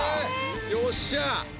よっしゃ！